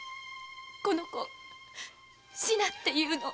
この子「しな」っていうの。